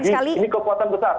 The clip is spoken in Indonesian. jadi ini kekuatan besar